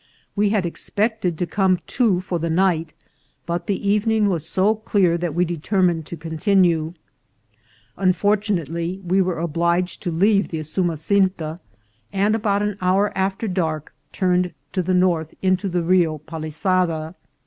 We had expected to come to for the night, but the evening was so clear that we determined to continue. Unfortunately, we were obli ged to leave the Usumasinta, and, about an hour after dark, turned to the north into the Rio Palisada.